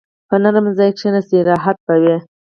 په نرمه ځای کښېنه، راحت به وي.